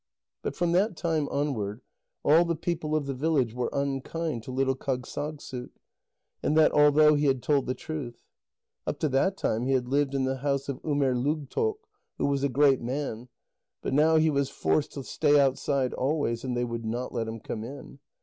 But from that time onward, all the people of the village were unkind to little Kâgssagssuk, and that although he had told the truth. Up to that time he had lived in the house of Umerdlugtoq, who was a great man, but now he was forced to stay outside always, and they would not let him come in.